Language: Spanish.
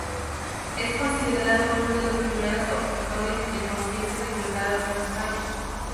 Es considerado uno de los primeros objetores de conciencia declarados en España.